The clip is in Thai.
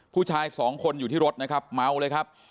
ผู้ชายสองคนอยู่ที่รถนะครับเมาเลยครับ